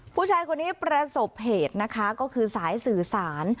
ผู้ชายคนนี้ประสบเหตุนะคะก็คือสายสื่อสาร